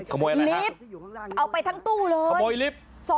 ขโมยอะไรคะขโมยลิฟท์เอาไปทั้งตู้เลยขโมยลิฟท์